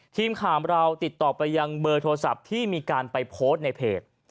ทีมข่าวของเราติดต่อไปยังเบอร์โทรศัพท์ที่มีการไปโพสต์ในเพจ